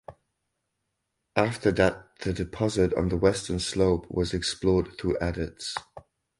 After that the deposit on the western slope was explored through adits.